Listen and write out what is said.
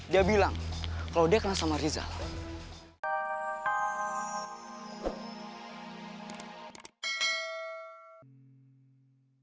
dia bilang kalau dia kenal sama rizal